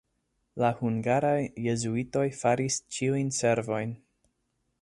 La hungaraj jezuitoj faris ĉiujn servojn.